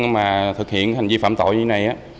mà thực hiện hành vi phạm tội như này